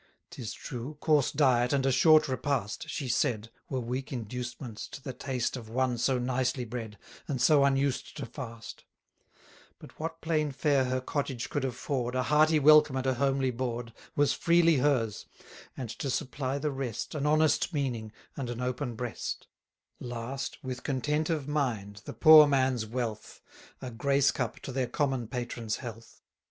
'Tis true, coarse diet, and a short repast, (She said) were weak inducements to the taste Of one so nicely bred, and so unused to fast: But what plain fare her cottage could afford, A hearty welcome at a homely board, Was freely hers; and, to supply the rest, An honest meaning, and an open breast: Last, with content of mind, the poor man's wealth, A grace cup to their common patron's health.